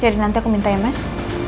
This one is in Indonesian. jadi nanti aku minta ya mas